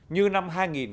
như năm hai nghìn một mươi